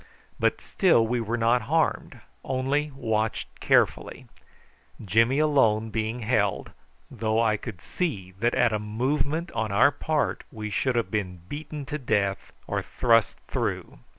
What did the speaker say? But still we were not harmed, only watched carefully, Jimmy alone being held, though I could see that at a movement on our part we should have been beaten to death or thrust through.